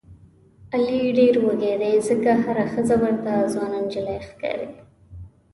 علي ډېر وږی دی ځکه هره ښځه ورته ځوانه نجیلۍ ښکاري.